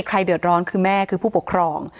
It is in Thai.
ใครเดือดร้อนคือแม่คือผู้ปกครอง